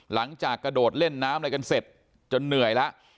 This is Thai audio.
หลังจากกระโดดเล่นน้ำอะไรกันเสร็จจนเหนื่อยแล้ว